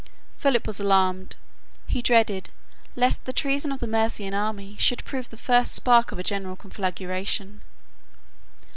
Philip was alarmed. He dreaded lest the treason of the Mæsian army should prove the first spark of a general conflagration.